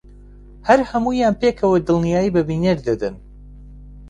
هەر هەموویان پێکەوە دڵنیایی بە بینەر دەدەن